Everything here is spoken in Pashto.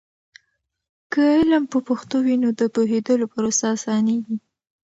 که علم په پښتو وي، نو د پوهیدلو پروسه اسانېږي.